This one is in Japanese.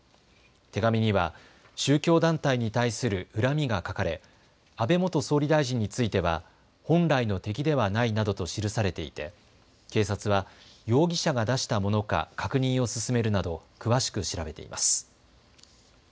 手紙には宗教団体に対する恨みが書かれ安倍元総理大臣については本来の敵ではないなどと記されていて警察は容疑者が出したものか確認を進めるなど詳しく調べています。